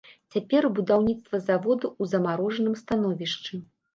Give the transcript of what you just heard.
Цяпер будаўніцтва завода ў замарожаным становішчы.